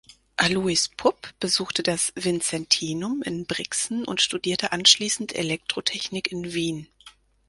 Alois Pupp besuchte das Vinzentinum in Brixen und studierte anschließend Elektrotechnik in Wien.